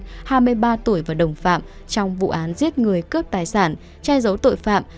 lù xuân minh hai mươi ba tuổi và đồng phạm trong vụ án giết người cướp tài sản trai dấu tội phạm